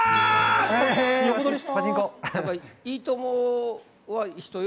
横取りした！